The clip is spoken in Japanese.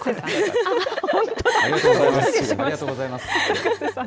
ありがとうございます。